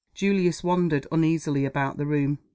Julius wandered uneasily about the room.